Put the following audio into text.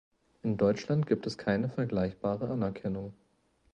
In Deutschland gibt es keine vergleichbare Anerkennung.